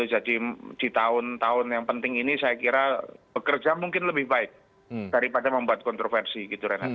jadi di tahun tahun yang penting ini saya kira pekerja mungkin lebih baik daripada membuat kontroversi gitu renan